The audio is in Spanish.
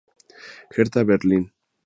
Hertha Berlín